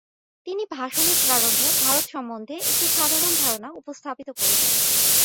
তিনি ভাষণের প্রারম্ভে ভারত সম্বন্ধে একটি সাধারণ ধারণা উপস্থাপিত করিবেন।